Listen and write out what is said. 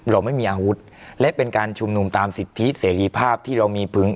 เราไม่มีอาวุธและเป็นการชุมนุมตามสิทธิเสรีภาพที่เรามีพึง